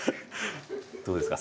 どうですか？